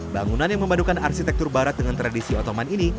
bangunan yang memadukan arsitektur barat dengan tradisi otoman ini